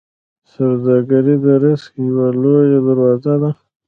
سوداګري د رزق یوه لویه دروازه ده.